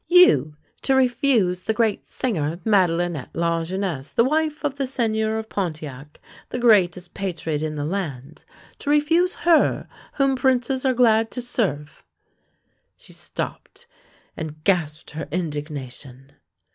" You to refuse the great singer, Madehnette Lajeunesse, the wife of the Seigneur of Pontiac, the greatest patriot in the land, to refuse her whom princes are glad to serve —" She stopped and gasped her in dignation.